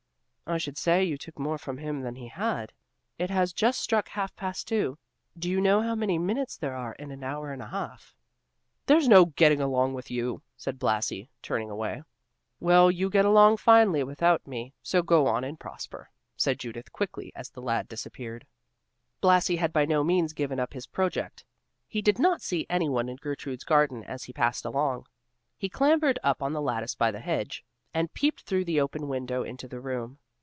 "I should say you took more from him than he had. It has just struck half past two; do you know how many minutes there are in an hour and a half?" "There's no getting along with you," said Blasi, turning away. "Well, you get along finely without me, so go on and prosper," said Judith quickly as the lad disappeared. Blasi had by no means given up his project. He did not see anyone in Gertrude's garden as he passed along. He clambered up on the lattice by the hedge and peeped through the open window into the room.